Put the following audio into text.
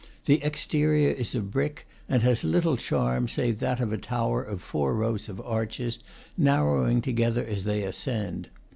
The exterior is of brick, and has little charm save that of a tower of four rows of arches, narrowing together as they ascend.